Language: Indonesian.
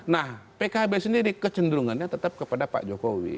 nah pkb sendiri kecenderungannya tetap kepada pak jokowi